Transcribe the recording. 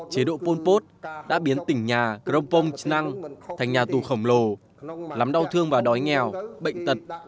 chế độ pôn pốt đã biến tỉnh nhà krompong chnang thành nhà tù khổng lồ lắm đau thương và đói nghèo bệnh tật